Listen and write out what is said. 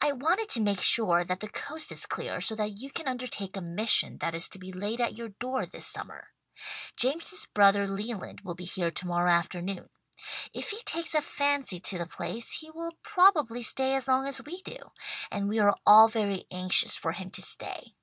"I wanted to make sure that the coast is clear, so that you can undertake a mission that is to be laid at your door this summer. Jameson's brother Leland will be here to morrow afternoon. If he takes a fancy to the place he will probably stay as long as we do, and we are all very anxious for him to stay.